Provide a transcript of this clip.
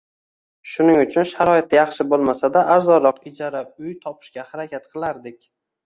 Shuning uchun sharoiti yaxshi bo`lmasa-da arzonroq ijara uy topishga harakat qilardik